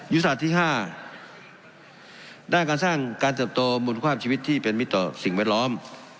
อยุธศาสตร์ที่๕ได้การสร้างการสรรพโตมุนความชีวิตที่เป็นมิตรสิ่งแวดล้อม